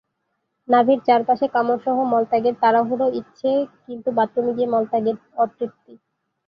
নাভীর চারপাশে কামড়সহ মলত্যাগের তাড়াহুড়ো ইচ্ছে কিন্তু বাথরুমে গিয়ে মলত্যাগের অতৃপ্তি।